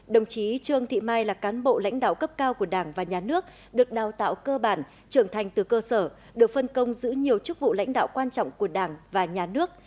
đồng chí trương thị mai là cán bộ lãnh đạo cấp cao của đảng và nhà nước được đào tạo cơ bản trưởng thành từ cơ sở được phân công giữ nhiều chức vụ lãnh đạo quan trọng của đảng và nhà nước